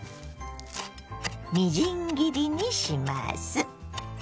みじん切りにします。